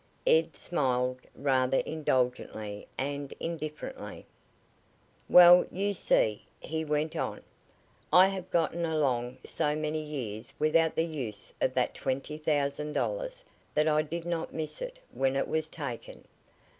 Ed smiled rather indulgently and indifferently. "Well, you see," he went on, "I have gotten along so many years without the use of that twenty thousand dollars that I did not miss it when it was taken.